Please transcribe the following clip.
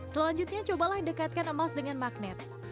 selanjutnya cobalah dekatkan emas dengan magnet